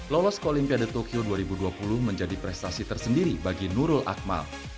lolos ke olimpiade tokyo dua ribu dua puluh menjadi prestasi tersendiri bagi nurul akmal